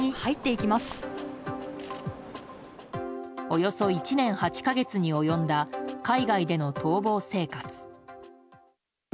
およそ１年８か月に及んだ海外での逃亡生活。